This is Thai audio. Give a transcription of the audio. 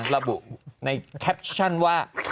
ระบุในแคปชั่นว่า